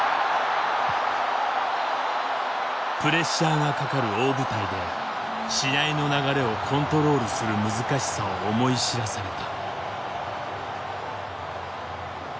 プレッシャーがかかる大舞台で試合の流れをコントロールする難しさを思い知らされた。